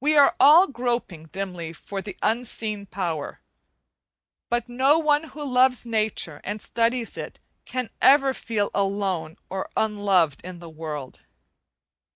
We are all groping dimly for the Unseen Power, but no one who loves nature and studies it can ever feel alone or unloved in the world.